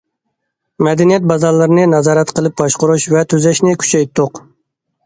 مەدەنىيەت بازارلىرىنى نازارەت قىلىپ باشقۇرۇش ۋە تۈزەشنى كۈچەيتتۇق.